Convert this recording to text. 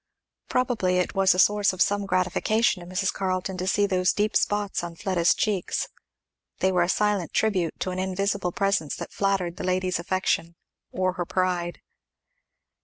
Probably it was a source of some gratification to Mrs. Carleton to see those deep spots on Fleda's cheeks. They were a silent tribute to an invisible presence that flattered the lady's affection, or her pride.